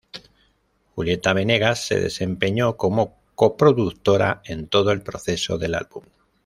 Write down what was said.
Julieta Venegas se desempeñó como coproductora en todo el proceso del álbum.